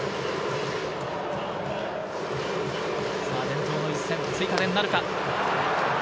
伝統の一戦、追加点なるか。